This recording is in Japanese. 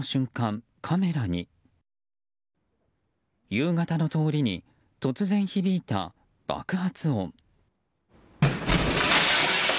夕方の通りに突然響いた爆発音。